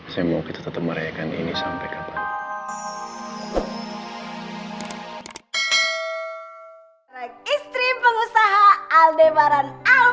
saya mau kita tetap merayakan ini sampai kapan